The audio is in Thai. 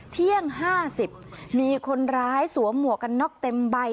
เที่ยง๕๐มีคนร้ายสวมหมวกกันน็อกเต็มใบ